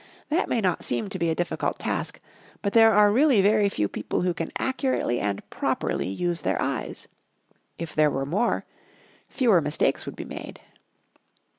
That may not seem to be a difficult task, but there are really very few people who can accurately and properly use their eyes. If there were more, fewer mistakes would be made.